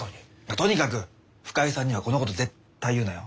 とにかく深井さんにはこのこと絶対言うなよ。